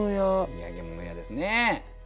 「土産物屋」ですね。